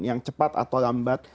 yang cepat atau lambat